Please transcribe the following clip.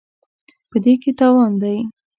په دې کې تاوان دی.